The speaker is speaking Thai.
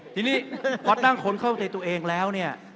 ทีนี้พอตั้งคนเข้าใจตัวเองแล้วเนี่ย